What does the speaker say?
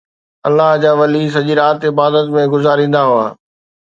الله جا ولي سڄي رات عبادت ۾ گذاريندا هئا